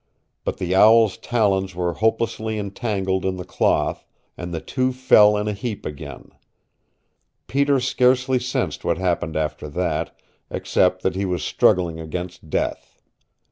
But the owl's talons were hopelessly entangled in the cloth, and the two fell in a heap again. Peter scarcely sensed what happened after that, except that he was struggling against death.